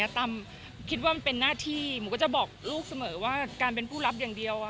ตามคิดว่ามันเป็นหน้าที่หนูก็จะบอกลูกเสมอว่าการเป็นผู้รับอย่างเดียว